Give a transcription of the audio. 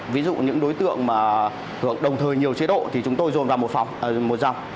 ví dụ những đối tượng đồng thời nhiều chế độ thì chúng tôi dồn vào một dòng